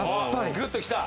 グッときた？